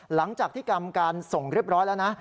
หลังจากที่กรรมการส่งเรียบร้อยแล้วนะ